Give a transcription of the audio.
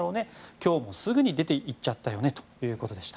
今日もすぐに出ていっちゃったよねということでした。